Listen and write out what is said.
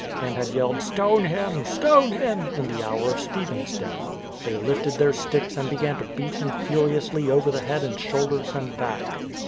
and had yelled, "Stone him! Stone him !" in the hour of Stephen's death. They lifted their sticks and began to beat him furiously over the head and shoulders and back.